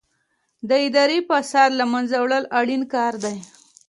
د اداري فساد له منځه وړل اړین کار دی.